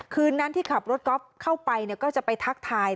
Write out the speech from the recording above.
คืนนั้นที่ขับรถกอล์ฟเข้าไปก็จะไปทักทาย